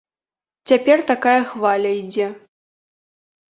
Цяпер такая хваля ідзе.